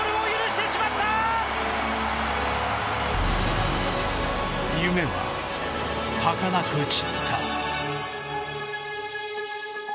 夢は、はかなく散った。